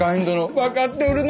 分かっておるな。